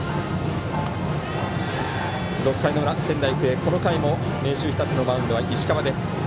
６回の裏、仙台育英この回も明秀日立のマウンドは石川です。